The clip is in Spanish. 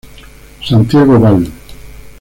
Santiago Bal.